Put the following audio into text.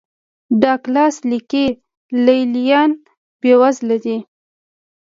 ډاګلاس لیکي لې لیان بېوزله دي.